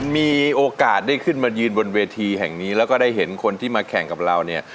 มีโอกาสได้ขึ้นมายืนบนเวทีแห่งนี้แล้วก็ได้เห็นคนที่มาแข่งกับเราเนี่ย